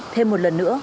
thêm một lần nữa